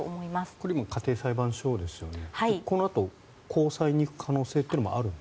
これは家庭裁判所ですよね？